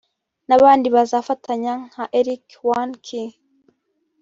n’abandi bazafatanya nka Eric One Key